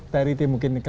jadi begini ya